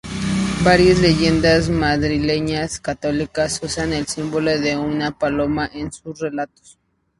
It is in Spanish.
Varias leyendas madrileñas católicas usan el símbolo de una paloma en sus relatos.